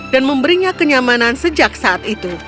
dan memberinya kenyamanan sejak saat itu